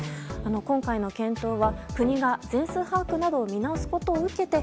今回の検討は国が全数把握などを見直すことを受けて